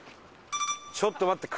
ちょっと待って。